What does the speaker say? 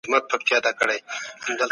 د يتيمانو د حقوقو په اړه ټينګار سوی دی.